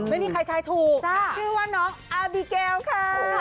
ไม่มีใครชายถูกชื่อว่าน้องอาร์บีเกลค่ะ